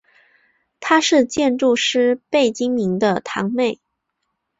她是建筑师贝聿铭的堂妹。